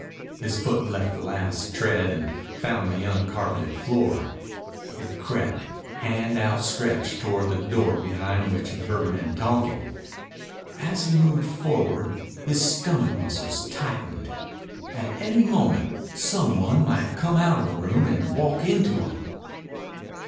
His foot left the last tread and found the uncarpeted floor. He crept, hand outstretched, toward the door behind which he heard men talking. As he moved forward his stomach muscles tightened. At any moment some one might come out of the room and walk into him.